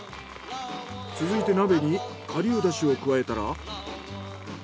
続いて鍋に顆粒出汁を加えたら。